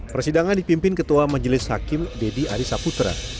persidangan dipimpin ketua majelis hakim dedy arisaputra